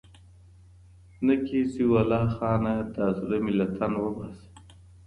نه كيږي ولا خانه دا زړه مـي لـه تن وبــاسـه